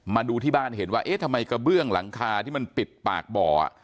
มาดูที่บ้านเห็นว่าเอ๊ะทำไมกระเบื้องหลังคาที่มันปิดปากบ่อ